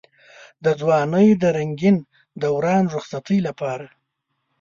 د ځوانۍ د رنګين دوران رخصتۍ لپاره.